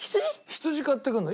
羊買ってくるの。